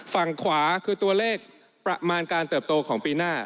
ฝั่งขวาคือตัวเลขประมาณการเติบโตของปีหน้า